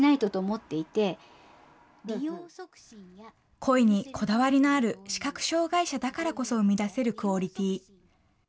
声にこだわりのある視覚障害者だからこそ生み出せるクオリティー。